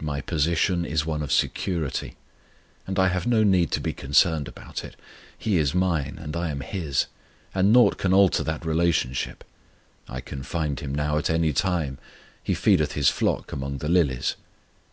My position is one of security, I have no need to be concerned about it. He is mine, and I am His; and nought can alter that relationship. I can find Him now at any time, He feedeth His flock among the lilies.